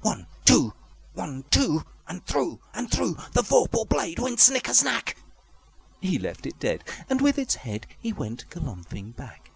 One, two! One, two! And through and throughThe vorpal blade went snicker snack! He left it dead, and with its headHe went galumphing back.